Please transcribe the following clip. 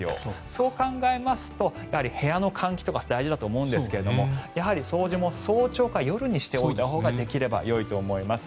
そう考えますと部屋の換気とか大事だと思うんですがやはり掃除も早朝から夜にしておいたほうができればよいと思います。